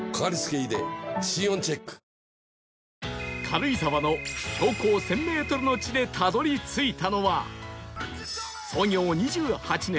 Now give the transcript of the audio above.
軽井沢の標高１０００メートルの地でたどり着いたのは